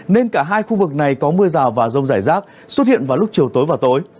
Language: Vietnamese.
nên cả hai khu vực này có mưa rào và rông rải rác xuất hiện vào lúc chiều tối và tối